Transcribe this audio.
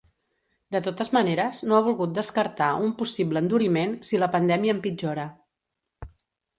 De totes maneres, no ha volgut descartar un possible enduriment, si la pandèmia empitjora.